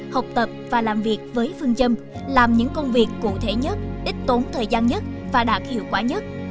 học tập và làm việc với phương châm làm những công việc cụ thể nhất ít tốn thời gian nhất và đạt hiệu quả nhất